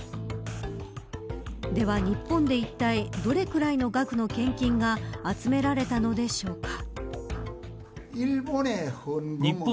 では、日本で一体どれくらいの額の献金が集められたのでしょうか。